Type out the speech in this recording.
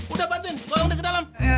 udah bandin golong dia ke dalam